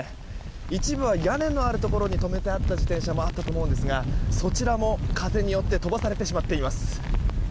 一部は屋根のあるところに止めてあった自転車もあったと思うんですがそちらも風によって飛ばされてしまっています。